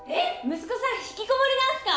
息子さん引きこもりなんすか！？